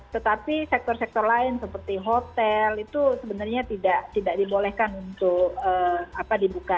tetapi sektor sektor lain seperti hotel itu sebenarnya tidak dibolehkan untuk dibuka